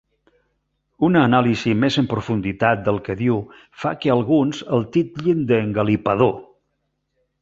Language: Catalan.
Una anàlisi més en profunditat del que diu fa que alguns el titllin d'engalipador.